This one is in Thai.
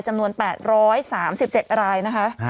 จำนวน๘๓๗รายนะคะ